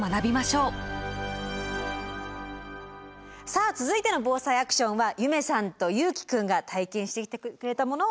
さあ続いてのＢＯＳＡＩアクションは夢さんと優樹君が体験してきてくれたものを見ていきます。